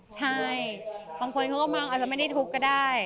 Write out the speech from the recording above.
ใช่บางคนเขาก็บางอาจจะไม่ได้ทุกข์ก็ได้